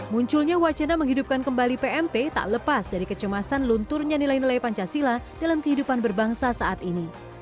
munculnya wacana menghidupkan kembali pmp tak lepas dari kecemasan lunturnya nilai nilai pancasila dalam kehidupan berbangsa saat ini